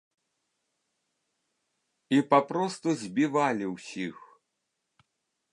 І папросту збівалі ўсіх!